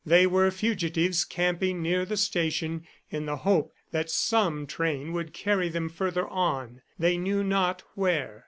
They were fugitives camping near the station in the hope that some train would carry them further on, they knew not where.